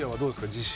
自信。